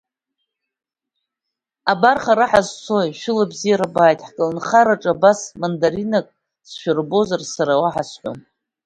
Абар, хара ҳазцои, шәыла абзиара абааит, ҳколнхараҿы абас мандаринак сшәырбозар, сара уаҳа сҳәом.